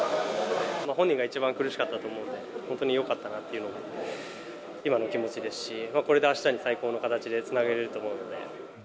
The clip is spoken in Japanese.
本人が一番苦しかったと思うので、本当によかったなっていうのが今の気持ちですし、これであしたに最高の形でつなげられると思うので。